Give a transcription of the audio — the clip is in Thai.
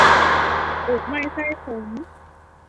อกไหม้ไส้ขม